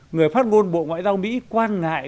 người phát ngôn bộ ngoại giao mỹ quan ngại